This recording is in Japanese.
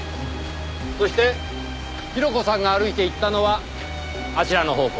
そして広子さんが歩いていったのはあちらの方向。